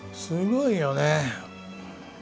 すごいよね。